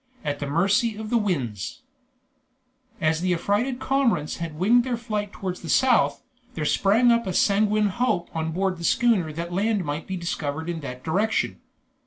AT THE MERCY OF THE WINDS As the affrighted cormorants had winged their flight towards the south, there sprang up a sanguine hope on board the schooner that land might be discovered in that direction.